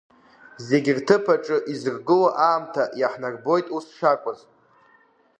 Зегьы рҭыԥ аҿы изыргыло аамҭа иаҳнарбоит ус шакәыз.